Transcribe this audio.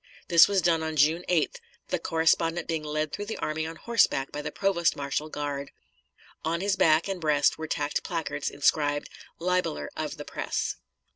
This was done on June 8th, the correspondent being led through the army on horseback by the provost marshal guard. On his back and breast were tacked placards inscribed, "Libeller of the Press."